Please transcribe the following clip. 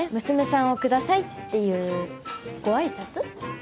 「娘さんをください」っていうご挨拶？